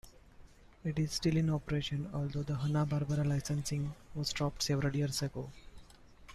It is still in operation, although the Hanna-Barbera licensing was dropped several years ago.